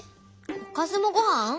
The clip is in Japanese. おかずもごはん？